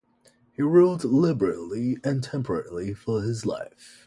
He ruled liberally and temperately for his life.